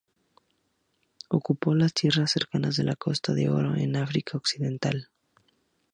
Ocupó las tierras cercanas a la Costa de Oro, en África Occidental.